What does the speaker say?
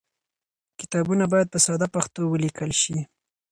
کتابونه باید په ساده پښتو ولیکل شي.